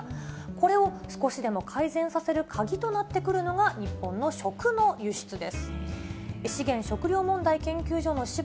これを少しでも改善させる鍵となってくるのが日本の食の輸出です。